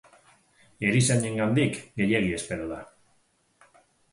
Erizainengandik gehiegi espero da.